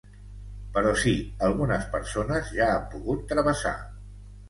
Però sí, algunes persones ja han pogut travessar.